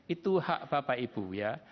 itu hak bapak ibu ya